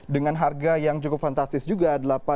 dengan harga yang cukup fantastis juga